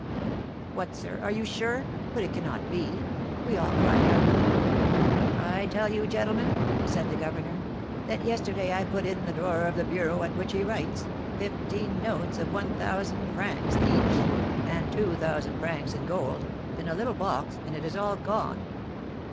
'What, sir, are you sure? but it cannot be,' we all cried out. 'I tell you, gentlemen,' said the governor, 'that yesterday I put in the drawer of the bureau at which he writes, fifteen notes of one thousand francs each, and two thousand francs in gold, in a little box, and it is all gone.'